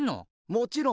もちろん。